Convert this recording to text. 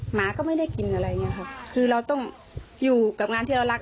หมาก็ไม่ได้กินอะไรอย่างเงี้ยค่ะคือเราต้องอยู่กับงานที่เรารัก